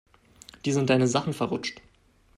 Dir sind deine Sachen verrutscht.